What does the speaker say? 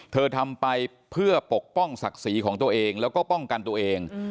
ทำไปเพื่อปกป้องศักดิ์ศรีของตัวเองแล้วก็ป้องกันตัวเอง